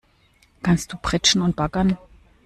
Kannst du pritschen und baggern?